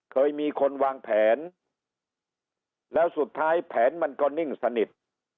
เคยมีคนวางแผนแล้วสุดท้ายแผนมันก็นิ่งสนิท